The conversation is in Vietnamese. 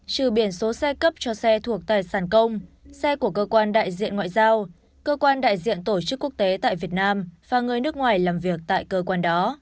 trừ biển số xe cấp cho xe thuộc tài sản công xe của cơ quan đại diện ngoại giao cơ quan đại diện tổ chức quốc tế tại việt nam và người nước ngoài làm việc tại cơ quan đó